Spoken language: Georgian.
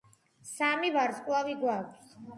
სამი ვარსკვლავი გვაქვს.